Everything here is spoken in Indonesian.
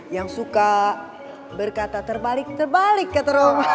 yang suka berkata terbalik terbalik kata roman itu